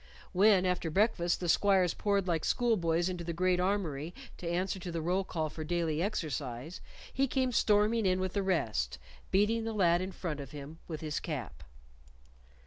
When, after breakfast, the squires poured like school boys into the great armory to answer to the roll call for daily exercise, he came storming in with the rest, beating the lad in front of him with his cap.